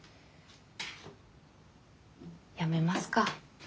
やめますか。